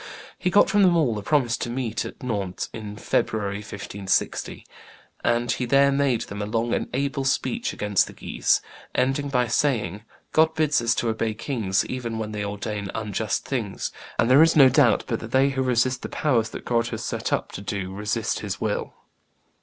He got from them all a promise to meet him at Nantes in February, 1560, and he there made them a long and able speech against the Guises, ending by saying, 'God bids us to obey kings even when they ordain unjust things, and there is no doubt but that they who resist the powers that God has set up do resist His will.